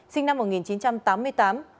sinh năm một nghìn chín trăm tám mươi tám